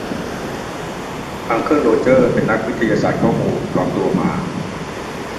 อังเคิลโรเจอร์เป็นนักวิทยาศาสตร์ข้อมูลปลอมตัวมา